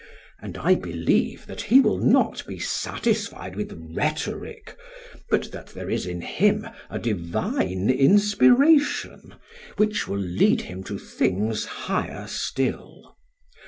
And I believe that he will not be satisfied with rhetoric, but that there is in him a divine inspiration which will lead him to things higher still.